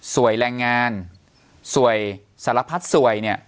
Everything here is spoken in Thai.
แรงงานสวยสารพัดสวยเนี่ย